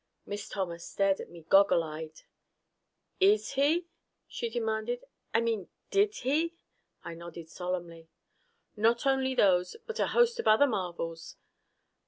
Miss Thomas stared at me goggle eyed. "Is he?" she demanded. "I mean did he?" I nodded solemnly. "Not only those, but a host of other marvels.